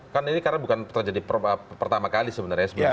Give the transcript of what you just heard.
karena ini bukan terjadi pertama kali sebenarnya